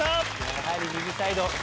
やはり右サイド。